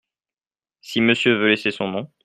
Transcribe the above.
Si Monsieur veut laisser son nom ?